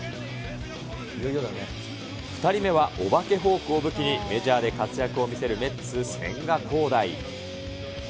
２人目はお化けフォークを武器に、メジャーで活躍を見せるメッツ、千賀滉大。